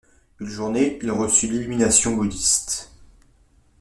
Une journée, il reçut l'illumination bouddhiste.